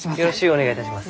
お願いいたします。